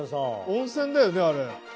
温泉だよねあれ。